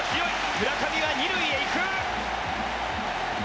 村上は２塁に行く！